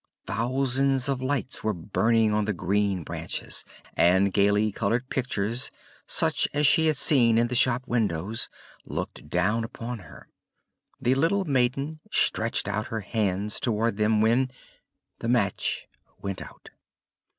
Thousands of lights were burning on the green branches, and gaily colored pictures, such as she had seen in the shop windows, looked down upon her. The little maiden stretched out her hands towards them when the match went out.